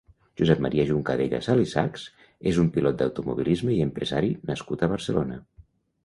Josep Maria Juncadella Salisachs és un pilot d'automobilisme i empresari nascut a Barcelona.